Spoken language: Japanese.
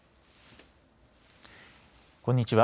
こんにちは。